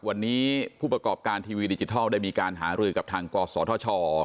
วันนี้ผู้ประกอบการทีวีดิจิทัลได้มีการหารือกับทางกศธช